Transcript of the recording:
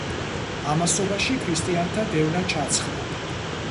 ამასობაში ქრისტიანთა დევნა ჩაცხრა.